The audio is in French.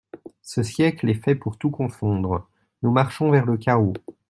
Ce siècle est fait pour tout confondre ! nous marchons vers le chaos.